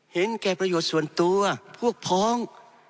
เห็นแก่ประโยชน์ส่วนตัวพวกพ้อง